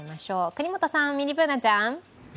國本さん、ミニＢｏｏｎａちゃん。